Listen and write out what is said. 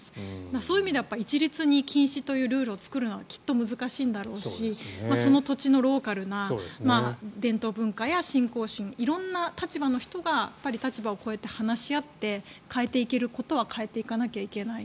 そういう意味では一律に禁止というルールを作るのはきっと難しいんだろうしその土地のローカルな伝統文化や信仰心色んな立場の人が立場を超えて話し合って変えていけることは変えていかなきゃいけない。